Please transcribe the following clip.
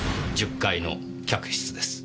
１０階の客室です。